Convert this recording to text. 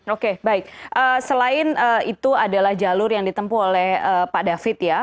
oke baik selain itu adalah jalur yang ditempuh oleh pak david ya